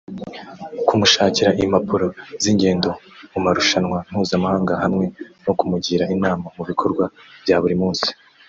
kumushakira impapuro z’ingendo mu marushanwa mpuzamahanga hamwe no kumugira inama mu bikorwa bya buri munsi